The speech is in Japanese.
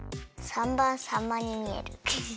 ３ばんさんまにみえる。